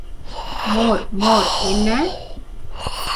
மோர் மோர் என்ன?